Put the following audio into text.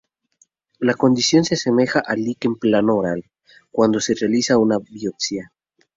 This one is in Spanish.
La condición se asemeja al liquen plano oral cuando se realiza una biopsia.